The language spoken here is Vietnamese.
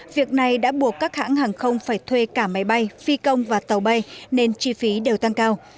việc này đã buộc các hãng hàng không phải thuê cả máy bay phi công và tàu bay nên chi phí đều tăng cao